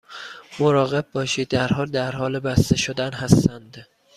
مراقب باشید، درها در حال بسته شدن هستند.